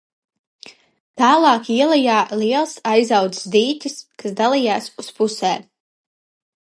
Tālāk ielejā liels, aizaudzis dīķis, kas dalījās uz pusēm.